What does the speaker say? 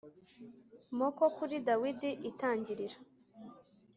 moka kuri Dawidi Itangiriro